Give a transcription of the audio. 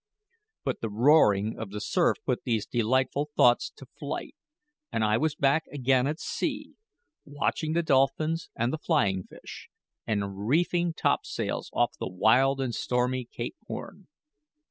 But the roaring of the surf put these delightful thoughts to flight, and I was back again at sea, watching the dolphins and the flying fish, and reefing topsails off the wild and stormy Cape Horn.